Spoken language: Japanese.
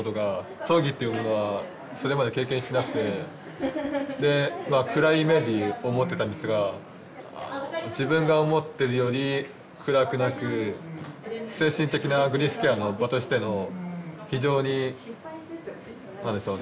葬儀っていうものはそれまで経験してなくてで暗いイメージを持ってたんですが自分が思ってるより暗くなく精神的なグリーフケアの場としての非常に何でしょうね